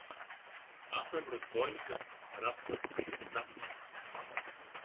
— Аз съм разбойникът, разпнат с Христа.